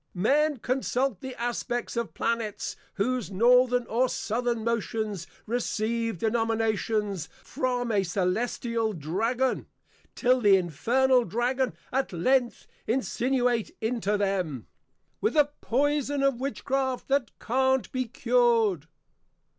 _ Men consult the Aspects of Planets, whose Northern or Southern motions receive denominations from a Cælestial Dragon, till the Infernal Dragon at length insinuate into them, with a Poison of Witchcraft that can't be cured.